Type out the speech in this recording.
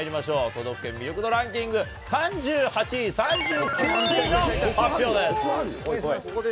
都道府県魅力度ランキング３８位、３９位の発表です。